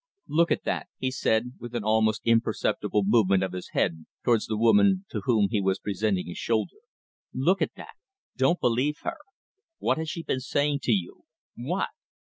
"Look at that," he said, with an almost imperceptible movement of his head towards the woman to whom he was presenting his shoulder. "Look at that! Don't believe her! What has she been saying to you? What?